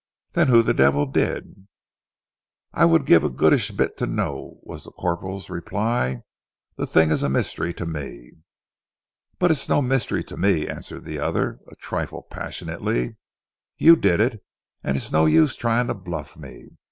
Then who the devil did?" "I would give a goodish bit to know," was the corporal's reply. "The thing is a mystery to me." "But it's no mystery to me," answered the other, a trifle passionately. "You did it, and it's no use trying to bluff me.